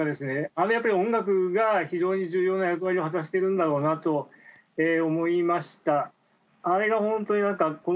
あのやっぱり音楽が非常に重要な役割を果たしているんだろうなと思いました。